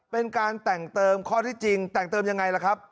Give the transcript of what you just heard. เป็นการแต่งเติมข้อที่จริงแต่งเติมยังไงล่ะครับ